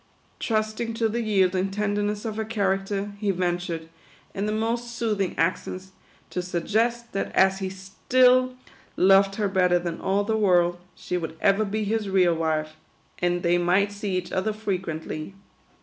Trusting to the yielding tenderness of her character, he ventured, in the most soothing accents, to suggest that as he still THE QUADROONS. 67 loved her better than all the world, she would ever be his real wife, and they might see each other frequent ly.